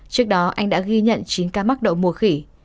trước đó anh đã ghi nhận chín ca mắc đậu mùa khỉ